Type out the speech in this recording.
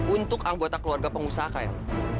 untuk anggota keluarga pengusaha kail